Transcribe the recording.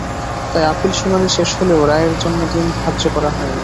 তাই আপিল শুনানি শেষ হলেও রায়ের জন্য দিন ধার্য করা হয়নি।